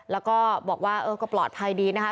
แล้วก็บอกว่าเออก็ปลอดภัยดีนะคะ